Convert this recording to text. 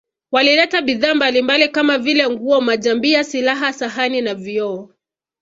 Walileta bidhaa mbalimbali kama vile nguo majambia silaha sahani na vioo